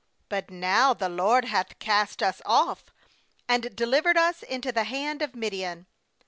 but now the LORD hath cast us off, and delivered us into the hand of Midian.'